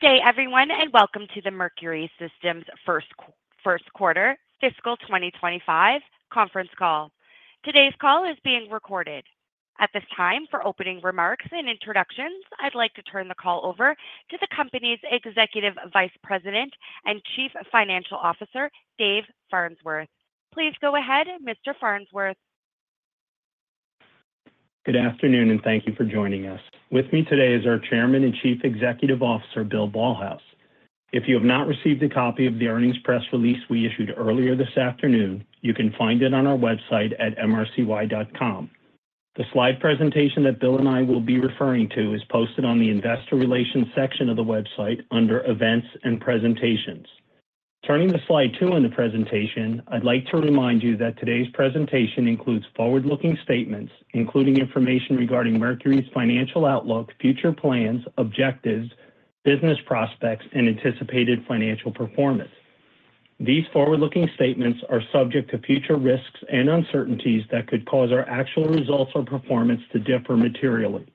Good day, everyone, and welcome to the Mercury Systems First Quarter, Fiscal 2025, Conference Call. Today's call is being recorded. At this time, for opening remarks and introductions, I'd like to turn the call over to the company's Executive Vice President and Chief Financial Officer, Dave Farnsworth. Please go ahead, Mr. Farnsworth. Good afternoon, and thank you for joining us. With me today is our Chairman and Chief Executive Officer, Bill Ballhaus. If you have not received a copy of the earnings press release we issued earlier this afternoon, you can find it on our website at mrcy.com. The slide presentation that Bill and I will be referring to is posted on the Investor Relations section of the website under Events and Presentations. Turning to slide two in the presentation, I'd like to remind you that today's presentation includes forward-looking statements, including information regarding Mercury's financial outlook, future plans, objectives, business prospects, and anticipated financial performance. These forward-looking statements are subject to future risks and uncertainties that could cause our actual results or performance to differ materially.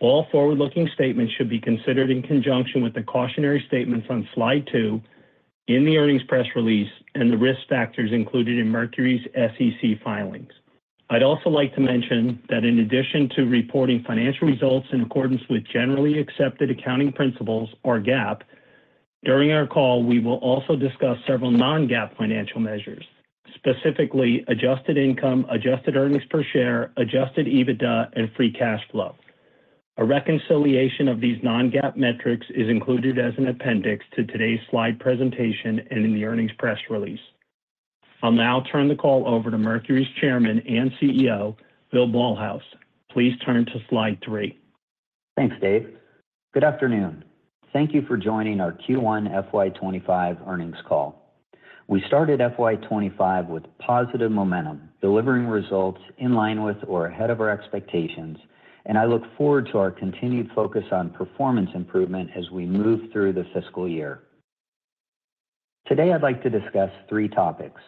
All forward-looking statements should be considered in conjunction with the cautionary statements on slide two, in the earnings press release, and the risk factors included in Mercury's SEC filings. I'd also like to mention that in addition to reporting financial results in accordance with generally accepted accounting principles, or GAAP, during our call, we will also discuss several non-GAAP financial measures, specifically adjusted income, adjusted earnings per share, adjusted EBITDA, and free cash flow. A reconciliation of these non-GAAP metrics is included as an appendix to today's slide presentation and in the earnings press release. I'll now turn the call over to Mercury's Chairman and CEO, Bill Ballhaus. Please turn to slide three. Thanks, Dave. Good afternoon. Thank you for joining our Q1 FY25 earnings call. We started FY25 with positive momentum, delivering results in line with or ahead of our expectations, and I look forward to our continued focus on performance improvement as we move through the fiscal year. Today, I'd like to discuss three topics.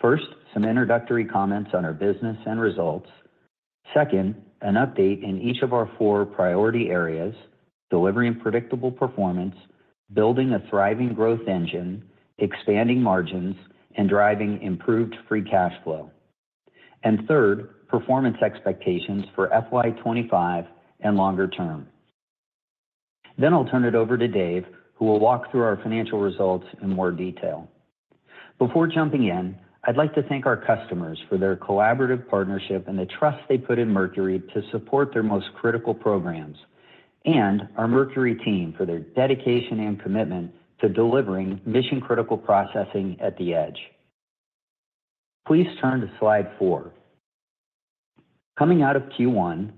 First, some introductory comments on our business and results. Second, an update in each of our four priority areas: delivering predictable performance, building a thriving growth engine, expanding margins, and driving improved free cash flow. And third, performance expectations for FY25 and longer term. Then I'll turn it over to Dave, who will walk through our financial results in more detail. Before jumping in, I'd like to thank our customers for their collaborative partnership and the trust they put in Mercury to support their most critical programs, and our Mercury team for their dedication and commitment to delivering mission-critical processing at the edge. Please turn to slide four. Coming out of Q1,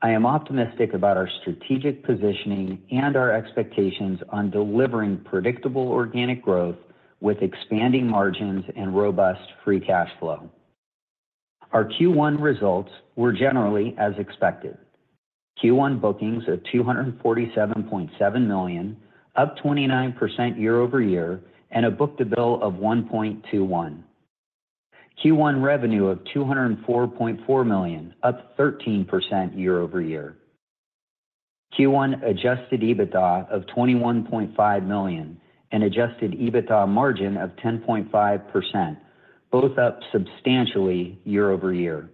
I am optimistic about our strategic positioning and our expectations on delivering predictable organic growth with expanding margins and robust free cash flow. Our Q1 results were generally as expected: Q1 bookings of $247.7 million, up 29% year-over-year, and a book-to-bill of 1.21. Q1 revenue of $204.4 million, up 13% year-over-year. Q1 Adjusted EBITDA of $21.5 million and Adjusted EBITDA margin of 10.5%, both up substantially year-over-year,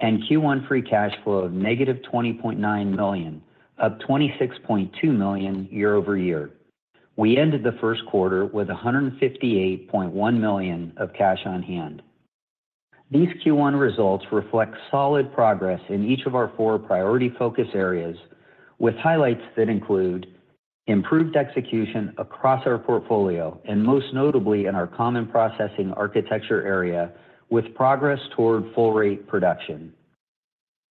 and Q1 free cash flow of -$20.9 million, up $26.2 million year-over-year. We ended the first quarter with $158.1 million of cash on hand. These Q1 results reflect solid progress in each of our four priority focus areas, with highlights that include improved execution across our portfolio, and most notably in our Common Processing Architecture area, with progress toward full-rate production.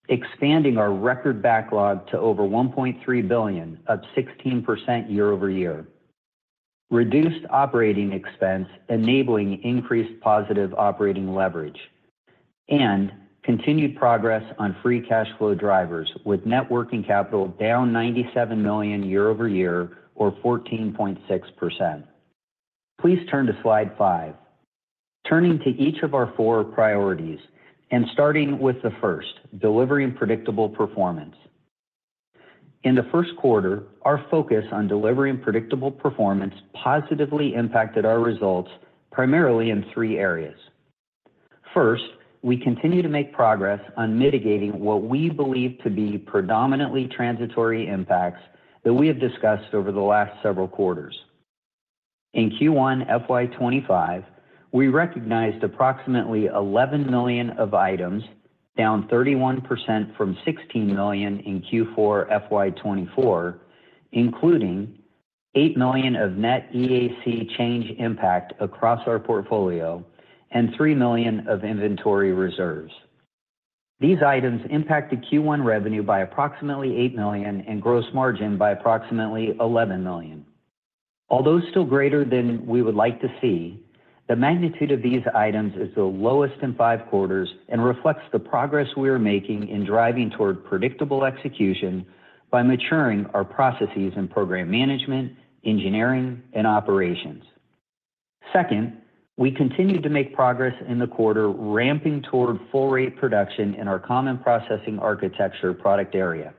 Expanding our record backlog to over $1.3 billion, up 16% year-over-year. Reduced operating expense, enabling increased positive operating leverage, and continued progress on free cash flow drivers, with net working capital down $97 million year-over-year, or 14.6%. Please turn to slide five. Turning to each of our four priorities, and starting with the first, delivering predictable performance. In the first quarter, our focus on delivering predictable performance positively impacted our results primarily in three areas. First, we continue to make progress on mitigating what we believe to be predominantly transitory impacts that we have discussed over the last several quarters. In Q1 FY25, we recognized approximately $11 million of items, down 31% from $16 million in Q4 FY24, including $8 million of net EAC change impact across our portfolio and $3 million of inventory reserves. These items impacted Q1 revenue by approximately $8 million and gross margin by approximately $11 million. Although still greater than we would like to see, the magnitude of these items is the lowest in five quarters and reflects the progress we are making in driving toward predictable execution by maturing our processes in program management, engineering, and operations. Second, we continue to make progress in the quarter, ramping toward full-rate production in our Common Processing Architecture product area.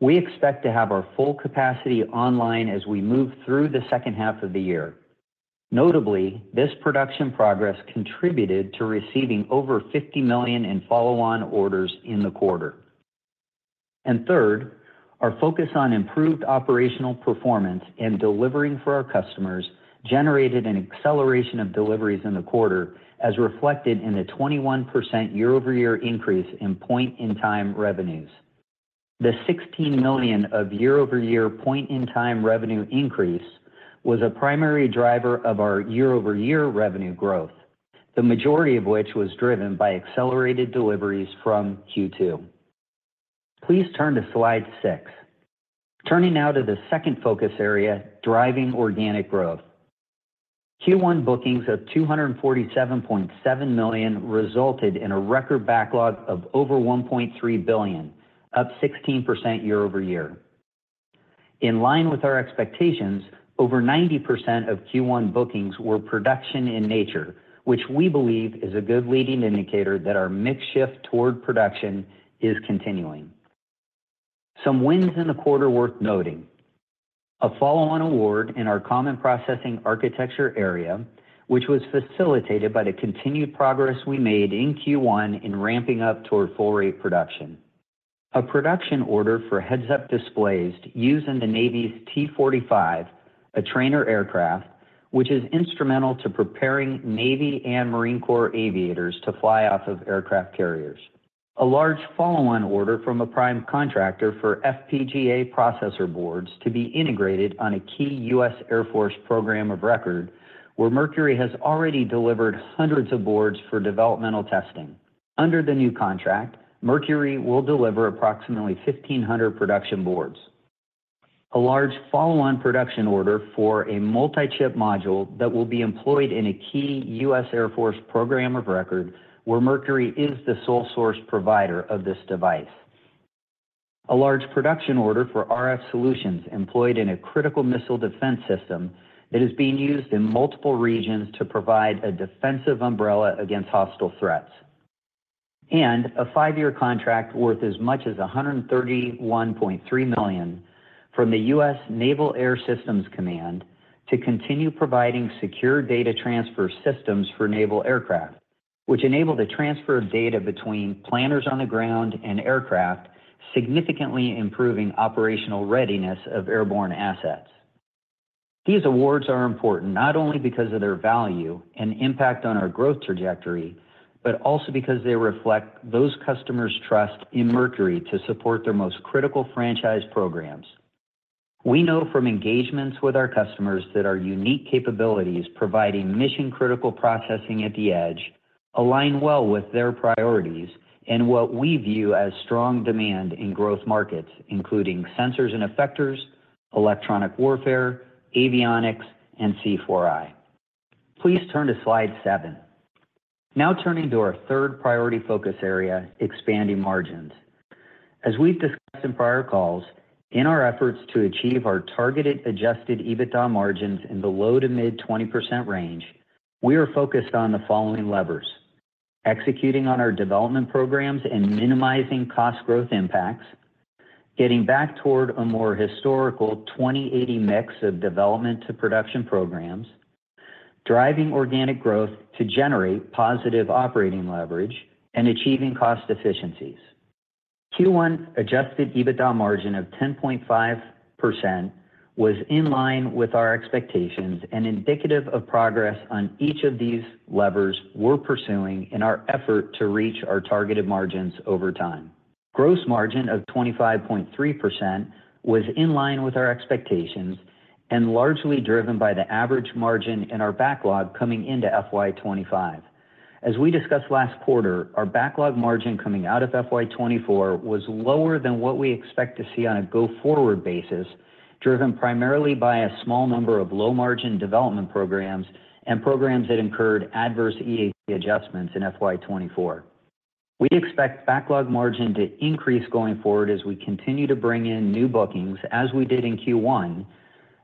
We expect to have our full capacity online as we move through the second half of the year. Notably, this production progress contributed to receiving over $50 million in follow-on orders in the quarter. And third, our focus on improved operational performance and delivering for our customers generated an acceleration of deliveries in the quarter, as reflected in a 21% year-over-year increase in point-in-time revenues. The $16 million of year-over-year point-in-time revenue increase was a primary driver of our year-over-year revenue growth, the majority of which was driven by accelerated deliveries from Q2. Please turn to slide six. Turning now to the second focus area, driving organic growth. Q1 bookings of $247.7 million resulted in a record backlog of over $1.3 billion, up 16% year-over-year. In line with our expectations, over 90% of Q1 bookings were production in nature, which we believe is a good leading indicator that our mix shift toward production is continuing. Some wins in the quarter worth noting: a follow-on award in our Common Processing Architecture area, which was facilitated by the continued progress we made in Q1 in ramping up toward full-rate production. A production order for heads-up displays used in the Navy's T-45, a trainer aircraft, which is instrumental to preparing Navy and Marine Corps aviators to fly off of aircraft carriers. A large follow-on order from a prime contractor for FPGA processor boards to be integrated on a key U.S. Air Force program of record, where Mercury has already delivered hundreds of boards for developmental testing. Under the new contract, Mercury will deliver approximately 1,500 production boards. A large follow-on production order for a multi-chip module that will be employed in a key U.S. Air Force program of record, where Mercury is the sole source provider of this device. A large production order for RF Solutions employed in a critical missile defense system that is being used in multiple regions to provide a defensive umbrella against hostile threats, and a five-year contract worth as much as $131.3 million from the U.S. Naval Air Systems Command to continue providing secure data transfer systems for naval aircraft, which enable the transfer of data between planners on the ground and aircraft, significantly improving operational readiness of airborne assets. These awards are important not only because of their value and impact on our growth trajectory, but also because they reflect those customers' trust in Mercury to support their most critical franchise programs. We know from engagements with our customers that our unique capabilities providing mission-critical processing at the edge align well with their priorities and what we view as strong demand in growth markets, including sensors and effectors, electronic warfare, avionics, and C4I. Please turn to slide seven. Now turning to our third priority focus area, expanding margins. As we've discussed in prior calls, in our efforts to achieve our targeted adjusted EBITDA margins in the low to mid-20% range, we are focused on the following levers: executing on our development programs and minimizing cost growth impacts, getting back toward a more historical 20/80 mix of development to production programs, driving organic growth to generate positive operating leverage, and achieving cost efficiencies. Q1 adjusted EBITDA margin of 10.5% was in line with our expectations and indicative of progress on each of these levers we're pursuing in our effort to reach our targeted margins over time. Gross margin of 25.3% was in line with our expectations and largely driven by the average margin in our backlog coming into FY25. As we discussed last quarter, our backlog margin coming out of FY24 was lower than what we expect to see on a go-forward basis, driven primarily by a small number of low-margin development programs and programs that incurred adverse EAC adjustments in FY24. We expect backlog margin to increase going forward as we continue to bring in new bookings, as we did in Q1,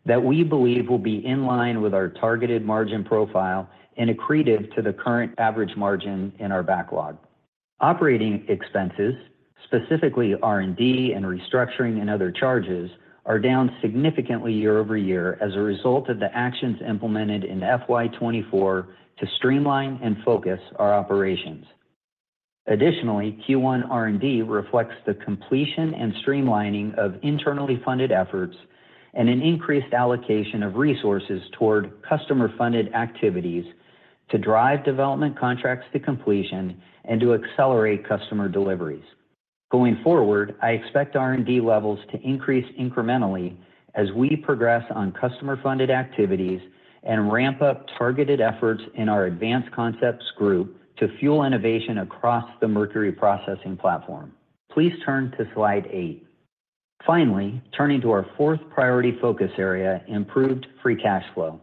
that we believe will be in line with our targeted margin profile and accretive to the current average margin in our backlog. Operating expenses, specifically R&D and restructuring and other charges, are down significantly year-over-year as a result of the actions implemented in FY24 to streamline and focus our operations. Additionally, Q1 R&D reflects the completion and streamlining of internally funded efforts and an increased allocation of resources toward customer-funded activities to drive development contracts to completion and to accelerate customer deliveries. Going forward, I expect R&D levels to increase incrementally as we progress on customer-funded activities and ramp up targeted efforts in our Advanced Concepts Group to fuel innovation across the Mercury processing platform. Please turn to slide eight. Finally, turning to our fourth priority focus area, improved free cash flow.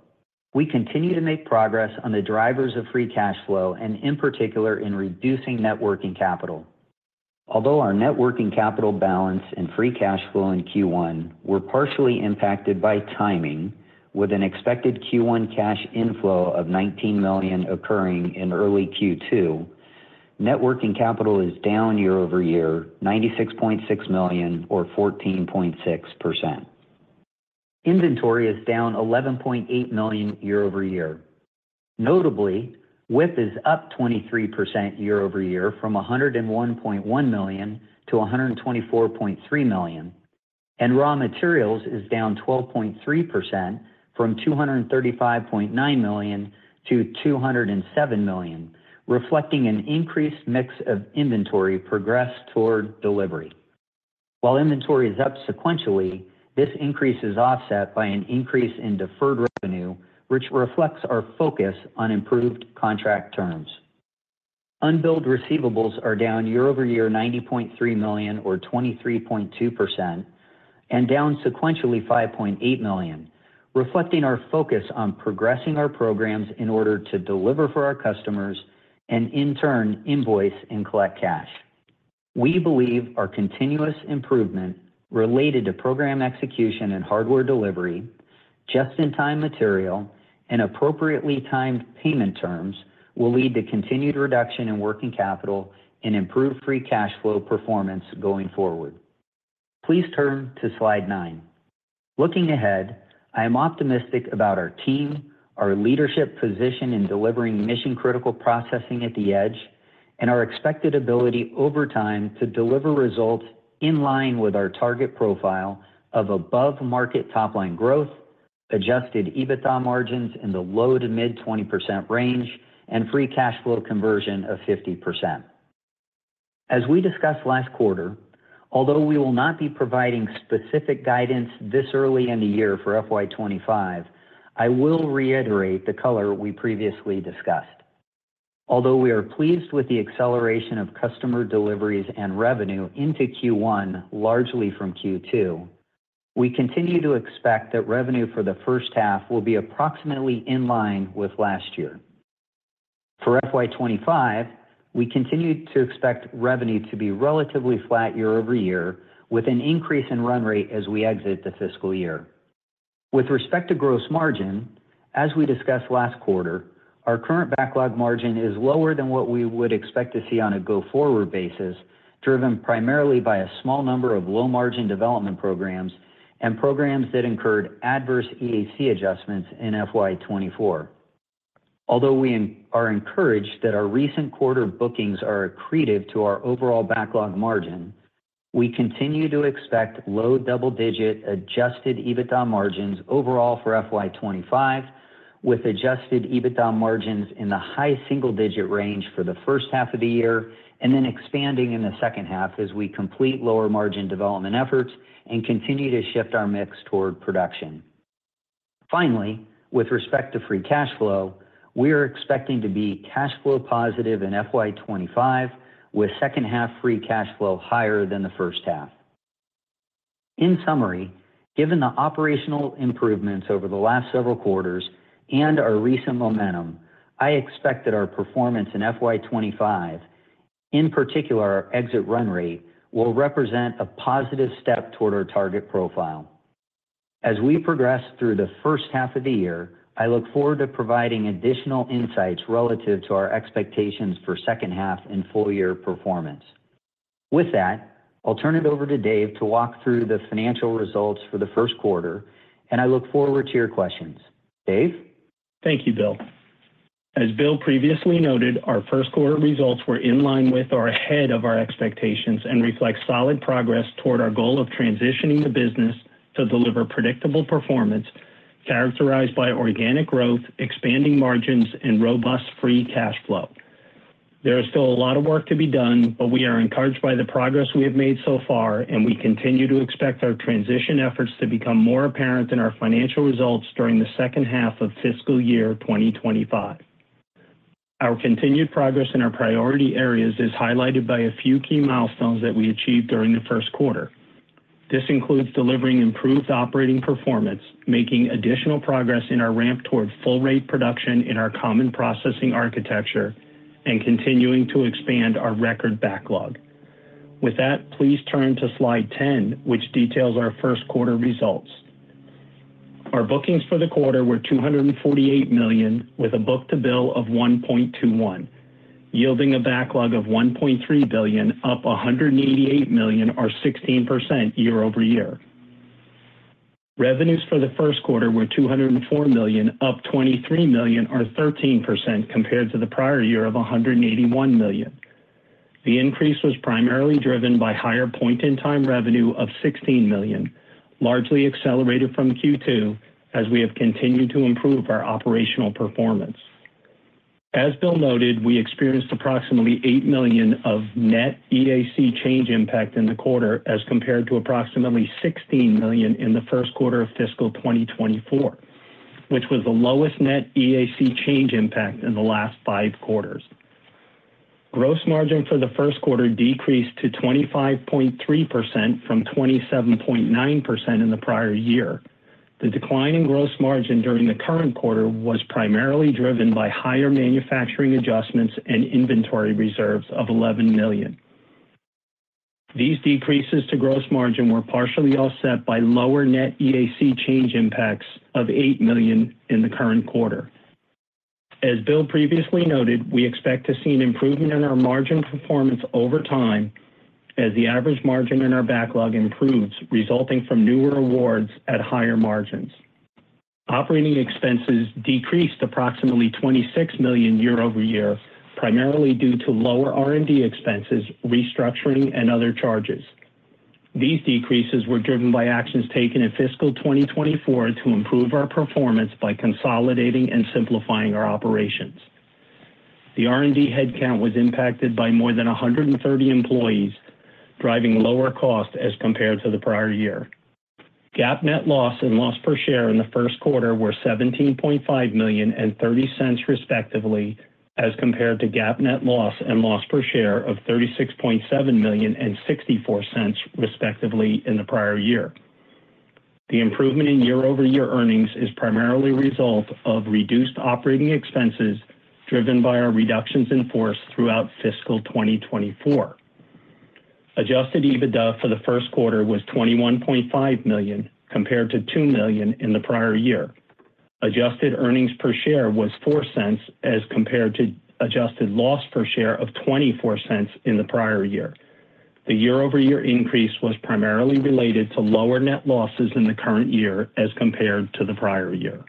We continue to make progress on the drivers of free cash flow and, in particular, in reducing net working capital. Although our net working capital balance and free cash flow in Q1 were partially impacted by timing, with an expected Q1 cash inflow of $19 million occurring in early Q2, net working capital is down year-over-year, $96.6 million, or 14.6%. Inventory is down $11.8 million year-over-year. Notably, WIP is up 23% year-over-year from $101.1 million to $124.3 million, and raw materials is down 12.3% from $235.9 million to $207 million, reflecting an increased mix of inventory progressed toward delivery. While inventory is up sequentially, this increase is offset by an increase in deferred revenue, which reflects our focus on improved contract terms. Unbilled receivables are down year-over-year $90.3 million, or 23.2%, and down sequentially $5.8 million, reflecting our focus on progressing our programs in order to deliver for our customers and, in turn, invoice and collect cash. We believe our continuous improvement related to program execution and hardware delivery, just-in-time material, and appropriately timed payment terms will lead to continued reduction in working capital and improved free cash flow performance going forward. Please turn to slide nine. Looking ahead, I am optimistic about our team, our leadership position in delivering mission-critical processing at the edge, and our expected ability over time to deliver results in line with our target profile of above-market top-line growth, adjusted EBITDA margins in the low to mid-20% range, and free cash flow conversion of 50%. As we discussed last quarter, although we will not be providing specific guidance this early in the year for FY25, I will reiterate the color we previously discussed. Although we are pleased with the acceleration of customer deliveries and revenue into Q1 largely from Q2, we continue to expect that revenue for the first half will be approximately in line with last year. For FY25, we continue to expect revenue to be relatively flat year-over-year, with an increase in run rate as we exit the fiscal year. With respect to gross margin, as we discussed last quarter, our current backlog margin is lower than what we would expect to see on a go-forward basis, driven primarily by a small number of low-margin development programs and programs that incurred adverse EAC adjustments in FY24. Although we are encouraged that our recent quarter bookings are accretive to our overall backlog margin, we continue to expect low double-digit adjusted EBITDA margins overall for FY25, with adjusted EBITDA margins in the high single-digit range for the first half of the year and then expanding in the second half as we complete lower margin development efforts and continue to shift our mix toward production. Finally, with respect to free cash flow, we are expecting to be cash flow positive in FY25, with second-half free cash flow higher than the first half. In summary, given the operational improvements over the last several quarters and our recent momentum, I expect that our performance in FY25, in particular our exit run rate, will represent a positive step toward our target profile. As we progress through the first half of the year, I look forward to providing additional insights relative to our expectations for second-half and full-year performance. With that, I'll turn it over to Dave to walk through the financial results for the first quarter, and I look forward to your questions. Dave? Thank you, Bill. As Bill previously noted, our first quarter results were in line with or ahead of our expectations and reflect solid progress toward our goal of transitioning the business to deliver predictable performance characterized by organic growth, expanding margins, and robust free cash flow. There is still a lot of work to be done, but we are encouraged by the progress we have made so far, and we continue to expect our transition efforts to become more apparent in our financial results during the second half of fiscal year 2025. Our continued progress in our priority areas is highlighted by a few key milestones that we achieved during the first quarter. This includes delivering improved operating performance, making additional progress in our ramp toward full-rate production in our Common Processing Architecture, and continuing to expand our record backlog. With that, please turn to slide 10, which details our first quarter results. Our bookings for the quarter were $248 million, with a book-to-bill of 1.21, yielding a backlog of $1.3 billion, up $188 million, or 16% year-over-year. Revenues for the first quarter were $204 million, up $23 million, or 13% compared to the prior year of $181 million. The increase was primarily driven by higher point-in-time revenue of $16 million, largely accelerated from Q2, as we have continued to improve our operational performance. As Bill noted, we experienced approximately $8 million of net EAC change impact in the quarter as compared to approximately $16 million in the first quarter of fiscal 2024, which was the lowest net EAC change impact in the last five quarters. Gross margin for the first quarter decreased to 25.3% from 27.9% in the prior year. The decline in gross margin during the current quarter was primarily driven by higher manufacturing adjustments and inventory reserves of $11 million. These decreases to gross margin were partially offset by lower net EAC change impacts of $8 million in the current quarter. As Bill previously noted, we expect to see an improvement in our margin performance over time as the average margin in our backlog improves, resulting from newer awards at higher margins. Operating expenses decreased approximately $26 million year-over-year, primarily due to lower R&D expenses, restructuring, and other charges. These decreases were driven by actions taken in fiscal 2024 to improve our performance by consolidating and simplifying our operations. The R&D headcount was impacted by more than 130 employees, driving lower costs as compared to the prior year. GAAP net loss and loss per share in the first quarter were $17.5 million and $0.30 respectively, as compared to GAAP net loss and loss per share of $36.7 million and $0.64 respectively in the prior year. The improvement in year-over-year earnings is primarily a result of reduced operating expenses driven by our reductions in force throughout fiscal 2024. Adjusted EBITDA for the first quarter was $21.5 million compared to $2 million in the prior year. Adjusted earnings per share was $0.04 as compared to adjusted loss per share of $0.24 in the prior year. The year-over-year increase was primarily related to lower net losses in the current year as compared to the prior year.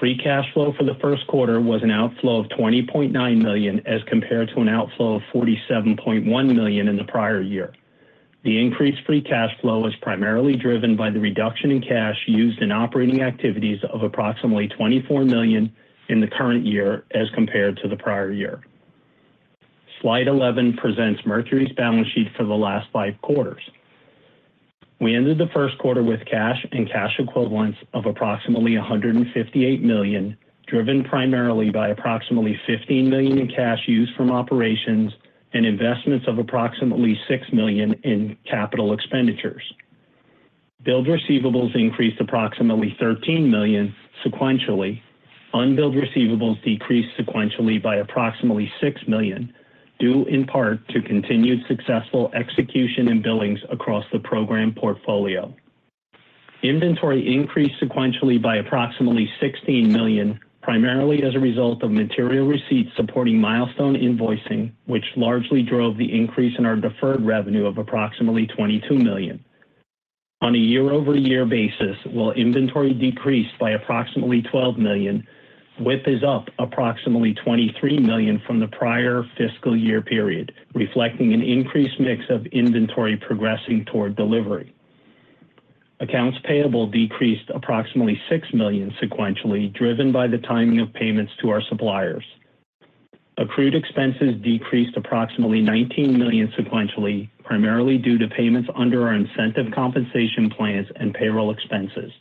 Free cash flow for the first quarter was an outflow of $20.9 million as compared to an outflow of $47.1 million in the prior year. The increased free cash flow was primarily driven by the reduction in cash used in operating activities of approximately $24 million in the current year as compared to the prior year. Slide 11 presents Mercury's balance sheet for the last five quarters. We ended the first quarter with cash and cash equivalents of approximately $158 million, driven primarily by approximately $15 million in cash used from operations and investments of approximately $6 million in capital expenditures. Billed receivables increased approximately $13 million sequentially. Unbilled receivables decreased sequentially by approximately $6 million, due in part to continued successful execution and billings across the program portfolio. Inventory increased sequentially by approximately $16 million, primarily as a result of material receipts supporting milestone invoicing, which largely drove the increase in our deferred revenue of approximately $22 million. On a year-over-year basis, while inventory decreased by approximately $12 million, WIP is up approximately $23 million from the prior fiscal year period, reflecting an increased mix of inventory progressing toward delivery. Accounts payable decreased approximately $6 million sequentially, driven by the timing of payments to our suppliers. Accrued expenses decreased approximately $19 million sequentially, primarily due to payments under our incentive compensation plans and payroll expenses.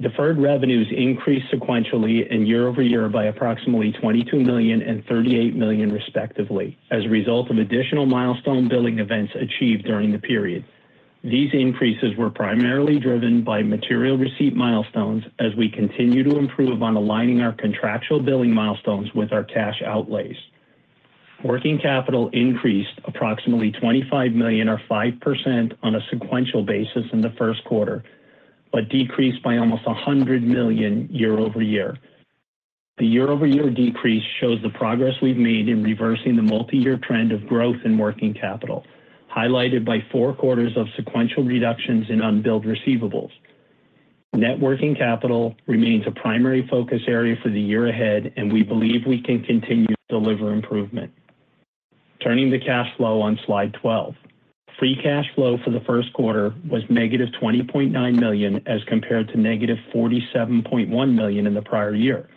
Deferred revenues increased sequentially in year-over-year by approximately $22 million and $38 million respectively, as a result of additional milestone billing events achieved during the period. These increases were primarily driven by material receipt milestones as we continue to improve on aligning our contractual billing milestones with our cash outlays. Working capital increased approximately $25 million, or 5% on a sequential basis in the first quarter, but decreased by almost $100 million year-over-year. The year-over-year decrease shows the progress we've made in reversing the multi-year trend of growth in working capital, highlighted by four quarters of sequential reductions in unbilled receivables. Net working capital remains a primary focus area for the year ahead, and we believe we can continue to deliver improvement. Turning to cash flow on slide 12, free cash flow for the first quarter was negative $20.9 million as compared to negative $47.1 million in the prior year.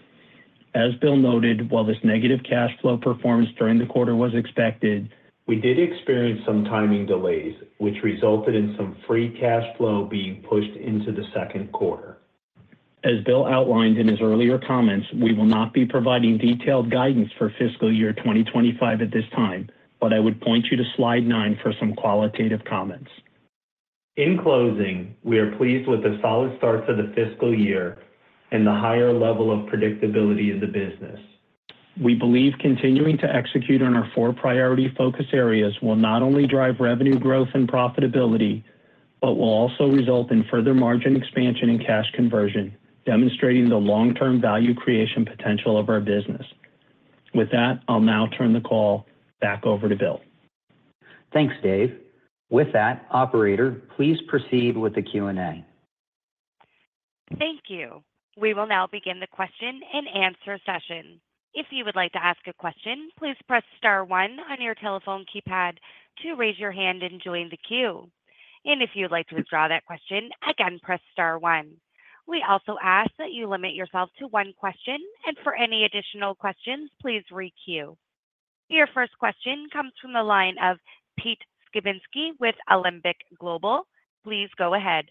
As Bill noted, while this negative cash flow performance during the quarter was expected, we did experience some timing delays, which resulted in some free cash flow being pushed into the second quarter. As Bill outlined in his earlier comments, we will not be providing detailed guidance for fiscal year 2025 at this time, but I would point you to slide nine for some qualitative comments. In closing, we are pleased with the solid start to the fiscal year and the higher level of predictability in the business. We believe continuing to execute on our four priority focus areas will not only drive revenue growth and profitability, but will also result in further margin expansion and cash conversion, demonstrating the long-term value creation potential of our business. With that, I'll now turn the call back over to Bill. Thanks, Dave. With that, Operator, please proceed with the Q&A. Thank you. We will now begin the question and answer session. If you would like to ask a question, please press star one on your telephone keypad to raise your hand and join the queue. And if you'd like to withdraw that question, again, press star one. We also ask that you limit yourself to one question, and for any additional questions, please re-queue. Your first question comes from the line of Pete Skibitski with Alembic Global Advisors. Please go ahead.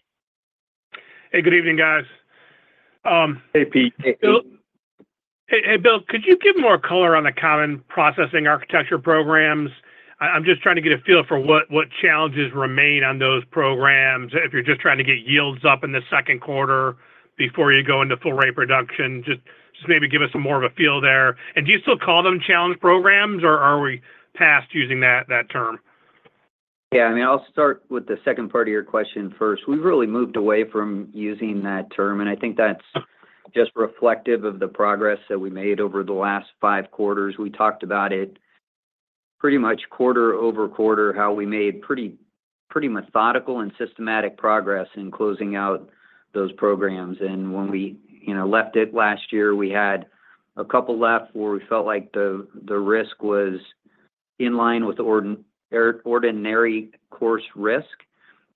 Hey, good evening, guys. Hey, Pete. Hey, Bill. Hey, Bill, could you give more color on the Common Processing Architecture programs? I'm just trying to get a feel for what challenges remain on those programs, if you're just trying to get yields up in the second quarter before you go into full-rate production. Just maybe give us some more of a feel there. And do you still call them challenge programs, or are we past using that term? Yeah, I mean, I'll start with the second part of your question first. We've really moved away from using that term, and I think that's just reflective of the progress that we made over the last five quarters. We talked about it pretty much quarter over quarter, how we made pretty methodical and systematic progress in closing out those programs. When we left it last year, we had a couple left where we felt like the risk was in line with ordinary course risk,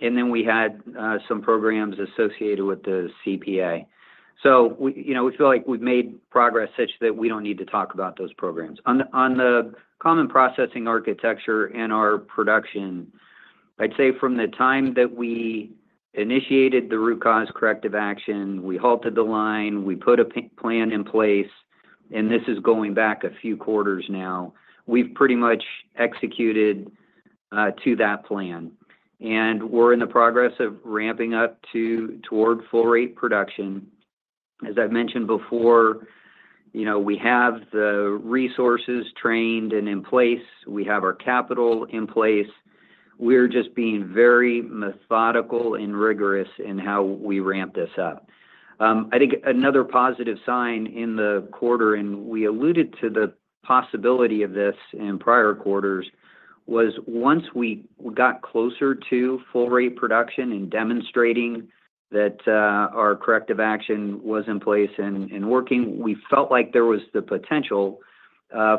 and then we had some programs associated with the CPA. We feel like we've made progress such that we don't need to talk about those programs. On the Common Processing Architecture and our production, I'd say from the time that we initiated the root cause corrective action, we halted the line, we put a plan in place, and this is going back a few quarters now, we've pretty much executed to that plan. We're in the progress of ramping up toward full-rate production. As I've mentioned before, we have the resources trained and in place. We have our capital in place. We're just being very methodical and rigorous in how we ramp this up. I think another positive sign in the quarter, and we alluded to the possibility of this in prior quarters, was once we got closer to full-rate production and demonstrating that our corrective action was in place and working, we felt like there was the potential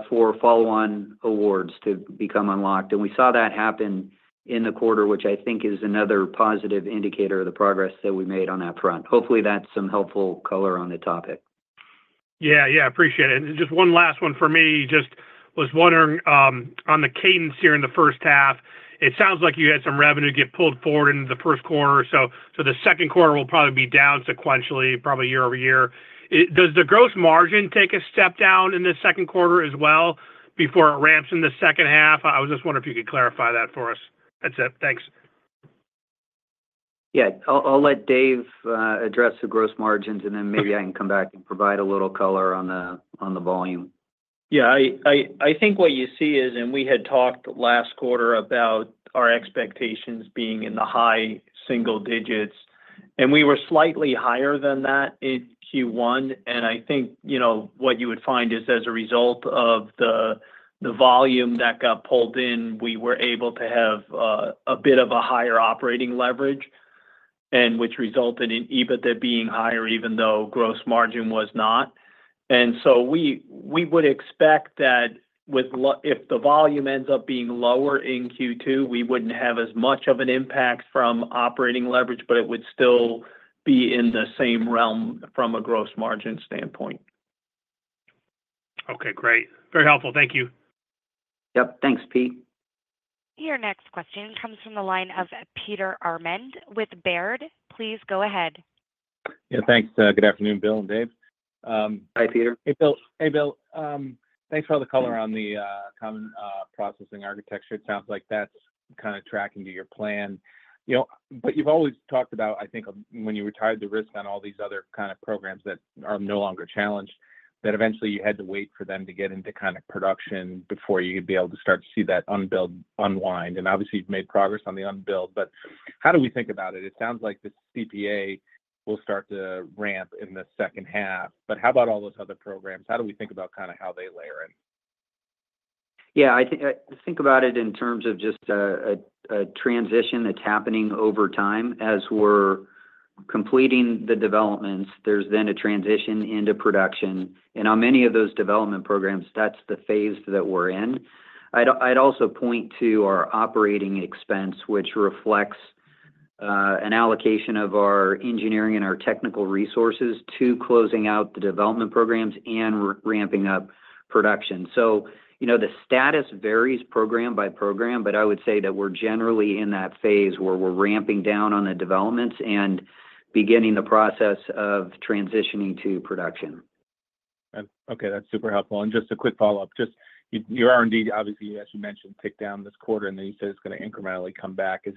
for follow-on awards to become unlocked. And we saw that happen in the quarter, which I think is another positive indicator of the progress that we made on that front. Hopefully, that's some helpful color on the topic. Yeah, yeah, I appreciate it. And just one last one for me. Just was wondering on the cadence here in the first half, it sounds like you had some revenue get pulled forward into the first quarter. So the second quarter will probably be down sequentially, probably year-over-year. Does the gross margin take a step down in the second quarter as well before it ramps in the second half? I was just wondering if you could clarify that for us. That's it. Thanks. Yeah, I'll let Dave address the gross margins, and then maybe I can come back and provide a little color on the volume. Yeah, I think what you see is, and we had talked last quarter about our expectations being in the high single digits, and we were slightly higher than that in Q1. And I think what you would find is, as a result of the volume that got pulled in, we were able to have a bit of a higher operating leverage, which resulted in EBITDA being higher, even though gross margin was not. And so we would expect that if the volume ends up being lower in Q2, we wouldn't have as much of an impact from operating leverage, but it would still be in the same realm from a gross margin standpoint. Okay, great. Very helpful. Thank you. Yep, thanks, Pete. Your next question comes from the line of Peter Arment with Baird. Please go ahead. Yeah, thanks. Good afternoon, Bill and Dave. Hi, Peter. Hey, Bill. Hey, Bill. Thanks for all the color on the Common Processing Architecture. It sounds like that's kind of tracking to your plan. But you've always talked about, I think, when you retired the risk on all these other kind of programs that are no longer challenged, that eventually you had to wait for them to get into kind of production before you could be able to start to see that unwind. And obviously, you've made progress on the unbilled, but how do we think about it? It sounds like the CPA will start to ramp in the second half. But how about all those other programs? How do we think about kind of how they layer in? Yeah, I think about it in terms of just a transition that's happening over time. As we're completing the developments, there's then a transition into production. And on many of those development programs, that's the phase that we're in. I'd also point to our operating expense, which reflects an allocation of our engineering and our technical resources to closing out the development programs and ramping up production. So the status varies program by program, but I would say that we're generally in that phase where we're ramping down on the developments and beginning the process of transitioning to production. Okay, that's super helpful. And just a quick follow-up. Just your R&D, obviously, as you mentioned, ticked down this quarter, and then you said it's going to incrementally come back. Is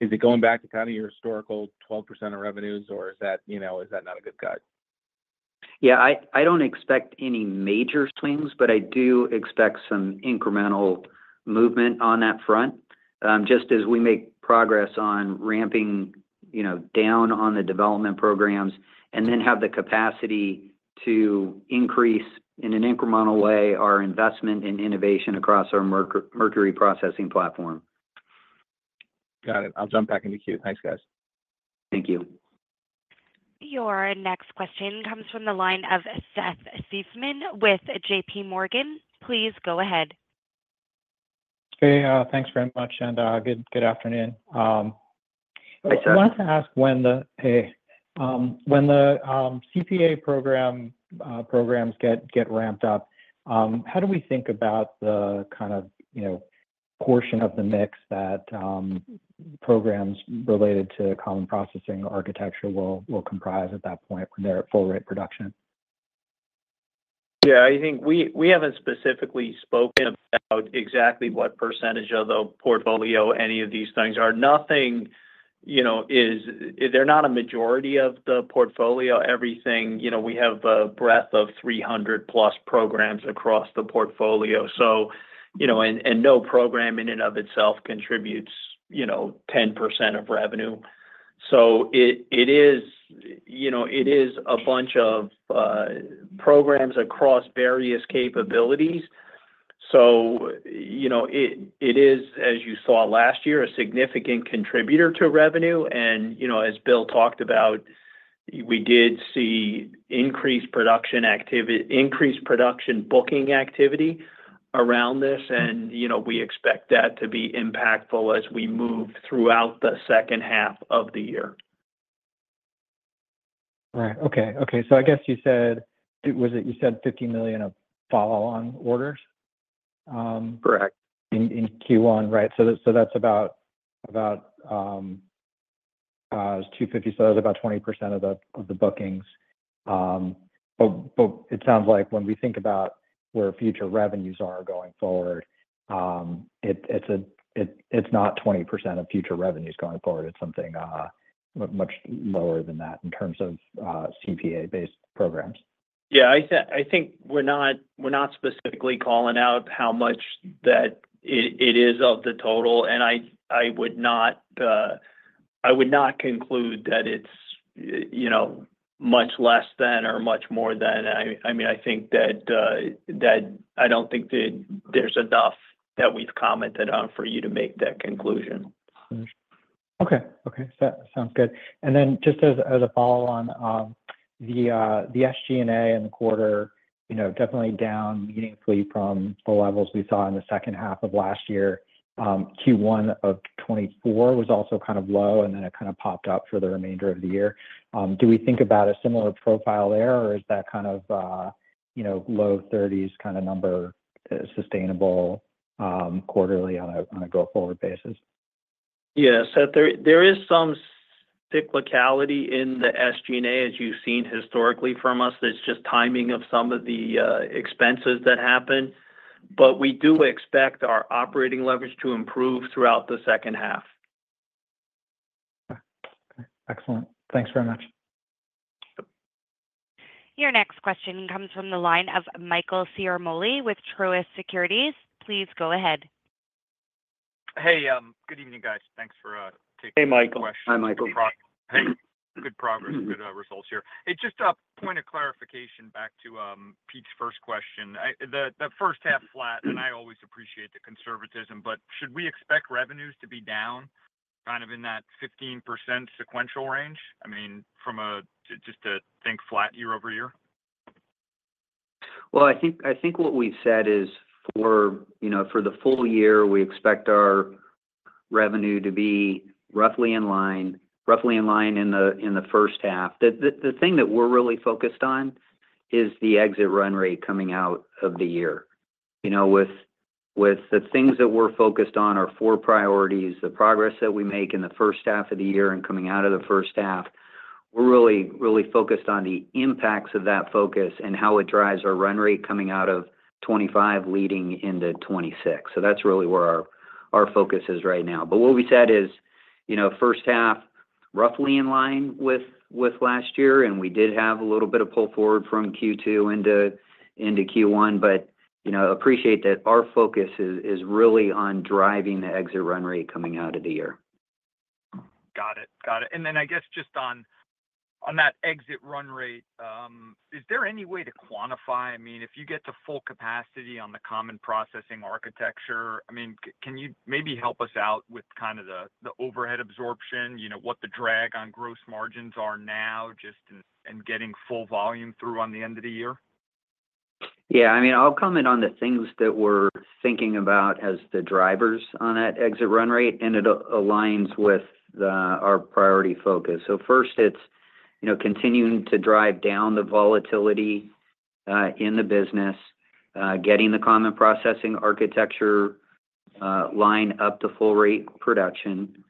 it going back to kind of your historical 12% of revenues, or is that not a good cut? Yeah, I don't expect any major swings, but I do expect some incremental movement on that front, just as we make progress on ramping down on the development programs and then have the capacity to increase in an incremental way our investment in innovation across our Mercury processing platform. Got it. I'll jump back into queue. Thanks, guys. Thank you. Your next question comes from the line of Seth Seifman with J.P. Morgan. Please go ahead. Hey, thanks very much, and good afternoon. I wanted to ask when the CPA programs get ramped up, how do we think about the kind of portion of the mix that programs related to Common Processing Architecture will comprise at that point when they're at full-rate production? Yeah, I think we haven't specifically spoken about exactly what percentage of the portfolio any of these things are. Nothing is. They're not a majority of the portfolio. Everything we have a breadth of 300-plus programs across the portfolio. And no program in and of itself contributes 10% of revenue. So it is a bunch of programs across various capabilities. So it is, as you saw last year, a significant contributor to revenue. And as Bill talked about, we did see increased production booking activity around this, and we expect that to be impactful as we move throughout the second half of the year. Right. Okay. Okay. So I guess you said $50 million of follow-on orders? Correct. In Q1, right? So that's about $250 million, so that's about 20% of the bookings. But it sounds like when we think about where future revenues are going forward, it's not 20% of future revenues going forward. It's something much lower than that in terms of CPA-based programs. Yeah, I think we're not specifically calling out how much that it is of the total. And I would not conclude that it's much less than or much more than. I mean, I think that I don't think there's enough that we've commented on for you to make that conclusion. Okay. Okay. Sounds good. And then just as a follow-on, the SG&A in the quarter definitely down meaningfully from the levels we saw in the second half of last year. Q1 of 2024 was also kind of low, and then it kind of popped up for the remainder of the year. Do we think about a similar profile there, or is that kind of low 30s kind of number sustainable quarterly on a go-forward basis? Yeah, so there is some cyclicality in the SG&A, as you've seen historically from us. It's just timing of some of the expenses that happen. But we do expect our operating leverage to improve throughout the second half. Okay. Excellent. Thanks very much. Your next question comes from the line of Michael Ciarmoli with Truist Securities. Please go ahead. Hey, good evening, guys. Thanks for taking the question. Hey, Michael. Hi, Michael. Good progress. Good results here. Just a point of clarification back to Pete's first question. The first half flat, and I always appreciate the conservatism, but should we expect revenues to be down kind of in that 15% sequential range? I mean, just to think flat year-over-year? Well, I think what we've said is for the full year, we expect our revenue to be roughly in line in the first half. The thing that we're really focused on is the exit run rate coming out of the year. With the things that we're focused on, our four priorities, the progress that we make in the first half of the year and coming out of the first half, we're really focused on the impacts of that focus and how it drives our run rate coming out of 2025 leading into 2026, so that's really where our focus is right now. But what we said is first half roughly in line with last year, and we did have a little bit of pull forward from Q2 into Q1, but appreciate that our focus is really on driving the exit run rate coming out of the year. Got it. Got it. And then I guess just on that exit run rate, is there any way to quantify? I mean, if you get to full capacity on the Common Processing Architecture, I mean, can you maybe help us out with kind of the overhead absorption, what the drag on gross margins are now, just in getting full volume through on the end of the year? Yeah. I mean, I'll comment on the things that we're thinking about as the drivers on that exit run rate, and it aligns with our priority focus. So first, it's continuing to drive down the volatility in the business, getting the Common Processing Architecture line up to full-rate production.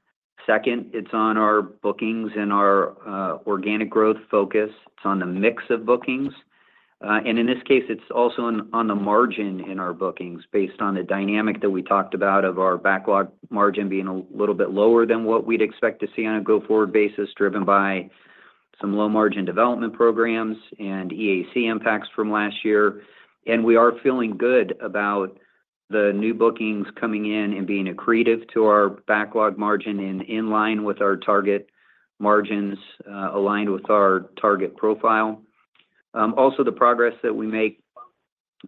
Second, it's on our bookings and our organic growth focus. It's on the mix of bookings. And in this case, it's also on the margin in our bookings based on the dynamic that we talked about of our backlog margin being a little bit lower than what we'd expect to see on a go-forward basis driven by some low-margin development programs and EAC impacts from last year. And we are feeling good about the new bookings coming in and being accretive to our backlog margin and in line with our target margins aligned with our target profile. Also, the progress that we make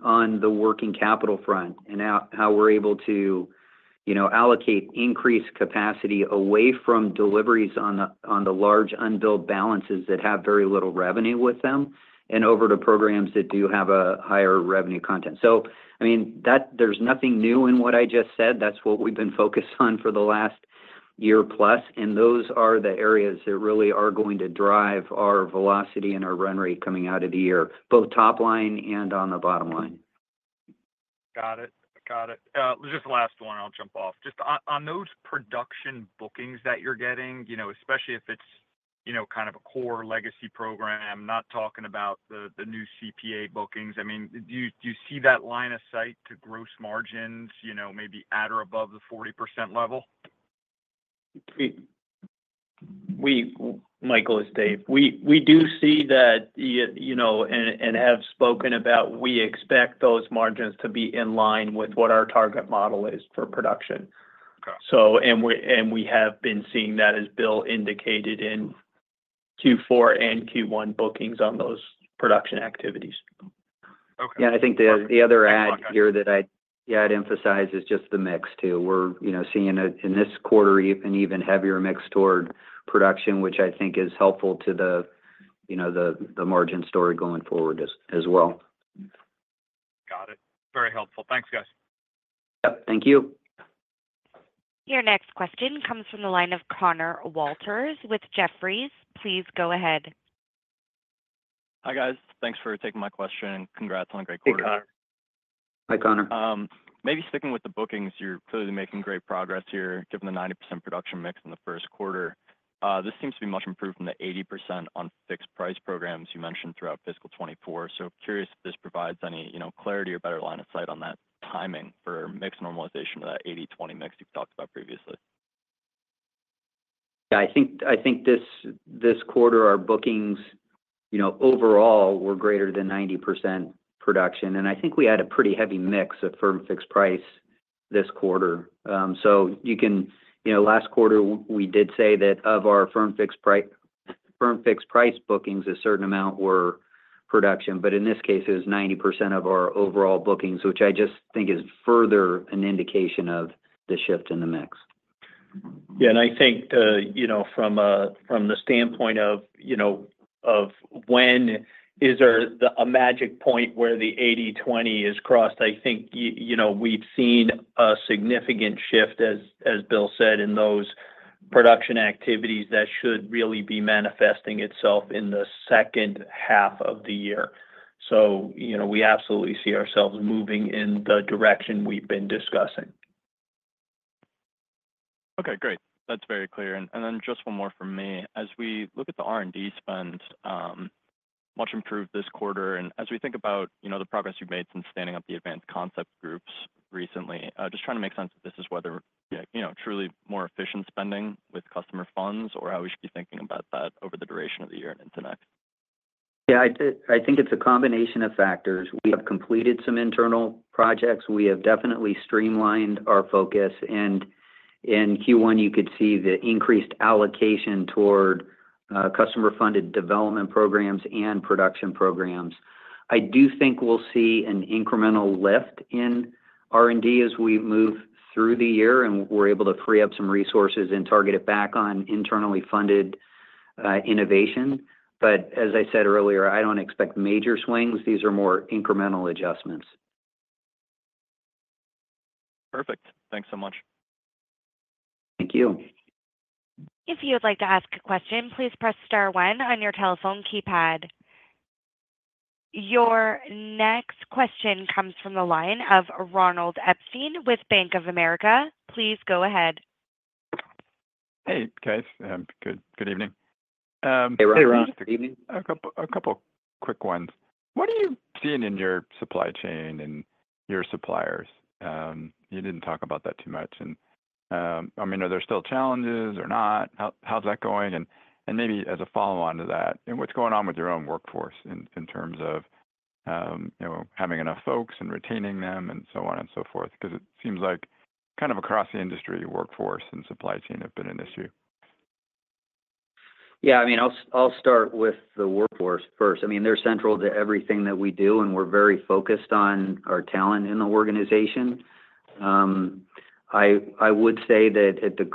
on the working capital front and how we're able to allocate increased capacity away from deliveries on the large unbilled balances that have very little revenue with them and over to programs that do have a higher revenue content. So I mean, there's nothing new in what I just said. That's what we've been focused on for the last year plus. And those are the areas that really are going to drive our velocity and our run rate coming out of the year, both top line and on the bottom line. Got it. Got it. Just the last one, I'll jump off. Just on those production bookings that you're getting, especially if it's kind of a core legacy program, not talking about the new CPA bookings. I mean, do you see that line of sight to gross margins maybe at or above the 40% level? Michael, it's Dave. We do see that and have spoken about we expect those margins to be in line with what our target model is for production. And we have been seeing that as Bill indicated in Q4 and Q1 bookings on those production activities. Yeah, I think the other add here that I'd emphasize is just the mix too. We're seeing in this quarter an even heavier mix toward production, which I think is helpful to the margin story going forward as well. Got it. Very helpful. Thanks, guys. Yep. Thank you. Your next question comes from the line of Conor Walters with Jefferies. Please go ahead. Hi, guys. Thanks for taking my question. Congrats on a great quarter. Hey, Conor. Hi, Connor. Maybe sticking with the bookings, you're clearly making great progress here given the 90% production mix in the first quarter. This seems to be much improved from the 80% on fixed price programs you mentioned throughout fiscal 2024. So curious if this provides any clarity or better line of sight on that timing for mix normalization of that 80/20 mix you've talked about previously. Yeah, I think this quarter our bookings overall were greater than 90% production. And I think we had a pretty heavy mix of firm fixed price this quarter. So last quarter, we did say that of our firm fixed price bookings, a certain amount were production. But in this case, it was 90% of our overall bookings, which I just think is further an indication of the shift in the mix. Yeah. I think from the standpoint of when is there a magic point where the 80/20 is crossed? I think we've seen a significant shift, as Bill said, in those production activities that should really be manifesting itself in the second half of the year. So we absolutely see ourselves moving in the direction we've been discussing. Okay. Great. That's very clear. And then just one more from me. As we look at the R&D spend, much improved this quarter. And as we think about the progress you've made since standing up the Advanced Concepts Group recently, just trying to make sense of this as whether truly more efficient spending with customer funds or how we should be thinking about that over the duration of the year and into next. Yeah, I think it's a combination of factors. We have completed some internal projects. We have definitely streamlined our focus. And in Q1, you could see the increased allocation toward customer-funded development programs and production programs. I do think we'll see an incremental lift in R&D as we move through the year and we're able to free up some resources and target it back on internally funded innovation. But as I said earlier, I don't expect major swings. These are more incremental adjustments. Perfect. Thanks so much. Thank you. If you'd like to ask a question, please press star one on your telephone keypad. Your next question comes from the line of Ronald Epstein with Bank of America. Please go ahead. Hey, guys. Good evening. Hey, Ronald. Good evening. A couple of quick ones. What are you seeing in your supply chain and your suppliers? You didn't talk about that too much. And I mean, are there still challenges or not? How's that going? Maybe as a follow-on to that, what's going on with your own workforce in terms of having enough folks and retaining them and so on and so forth? Because it seems like kind of across the industry, workforce and supply chain have been an issue. Yeah. I mean, I'll start with the workforce first. I mean, they're central to everything that we do, and we're very focused on our talent in the organization. I would say that at the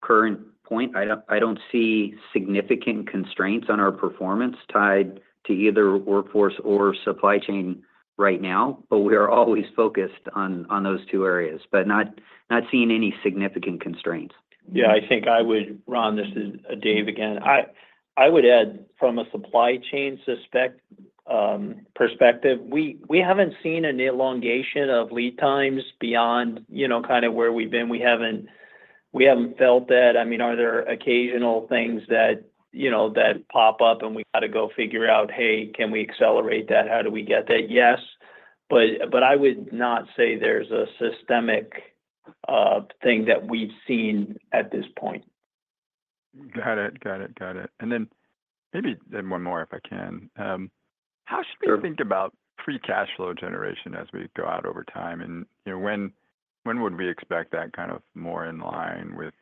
current point, I don't see significant constraints on our performance tied to either workforce or supply chain right now, but we are always focused on those two areas, but not seeing any significant constraints. Yeah. I think I would, Ron, this is Dave again. I would add from a supply chain perspective, we haven't seen an elongation of lead times beyond kind of where we've been. We haven't felt that. I mean, are there occasional things that pop up and we got to go figure out, "Hey, can we accelerate that? How do we get that?" Yes. But I would not say there's a systemic thing that we've seen at this point. Got it. Got it. Got it. And then maybe one more if I can. How should we think about free cash flow generation as we go out over time? And when would we expect that kind of more in line with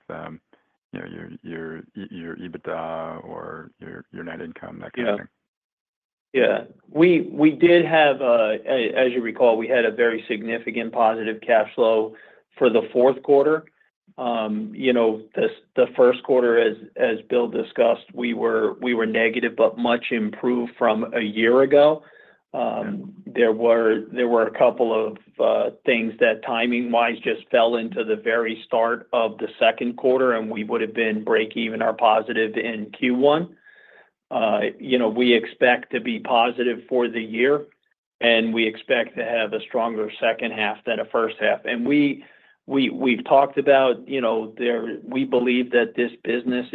your EBITDA or your net income, that kind of thing? Yeah. Yeah. As you recall, we had a very significant positive cash flow for the fourth quarter. The first quarter, as Bill discussed, we were negative, but much improved from a year ago. There were a couple of things that timing-wise just fell into the very start of the second quarter, and we would have been breaking even or positive in Q1. We expect to be positive for the year, and we expect to have a stronger second half than a first half. And we've talked about we believe that this business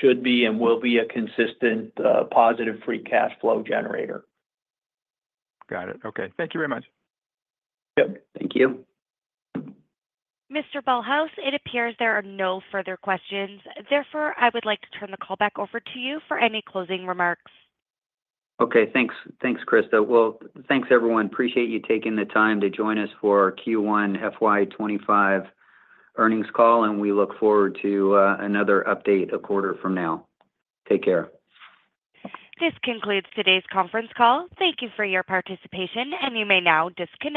should be and will be a consistent positive free cash flow generator. Got it. Okay. Thank you very much. Yep. Thank you. Mr. Ballhaus, it appears there are no further questions. Therefore, I would like to turn the call back over to you for any closing remarks. Okay. Thanks, Krista. Well, thanks, everyone. Appreciate you taking the time to join us for our Q1 FY25 earnings call, and we look forward to another update a quarter from now. Take care. This concludes today's conference call. Thank you for your participation, and you may now disconnect.